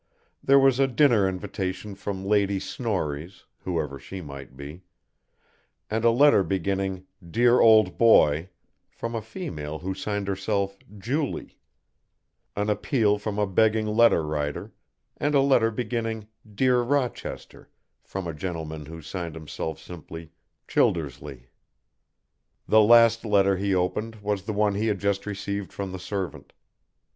There was a dinner invitation from Lady Snorries whoever she might be and a letter beginning "Dear old Boy" from a female who signed herself "Julie," an appeal from a begging letter writer, and a letter beginning "Dear Rochester" from a gentleman who signed himself simply "Childersley." The last letter he opened was the one he had just received from the servant.